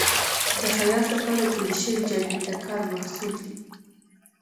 د خیاط لپاره جوړې شوې جامې د کار محصول دي.